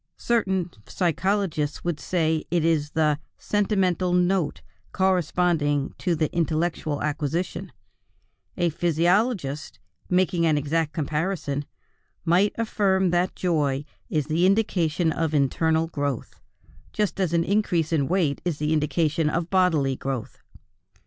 Certain psychologists would say, it is the "sentimental note" corresponding to the intellectual acquisition; a physiologist, making an exact comparison, might affirm that joy is the indication of internal growth, just as an increase in weight is the indication of bodily growth.